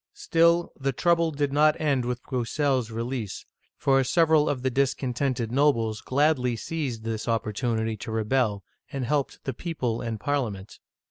" Still, the trouble did not end with BrousseFs release, for several of the discontented nobles gladly seized this oppor tunity to rebel, and helped the people and Parliament.